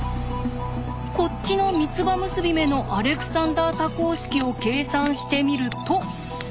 こっちの三つ葉結び目のアレクサンダー多項式を計算してみると。